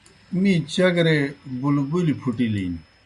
می چگرےبُلبُلیْ پُھٹِلِن۔